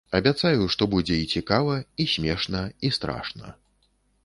Абяцаю, што будзе і цікава, і смешна, і страшна.